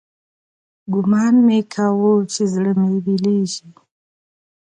ګومان مې كاوه چې زړه مې ويلېږي.